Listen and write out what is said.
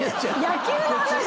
野球の話？